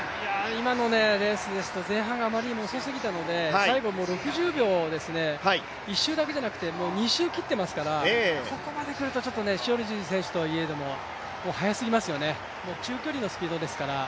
今のレースですと前半があまりにも遅すぎたので最後６０秒ですね、１周だけじゃなくて２周切ってますからここまでくると塩尻選手といえど速すぎますよね、中距離のスピードですから。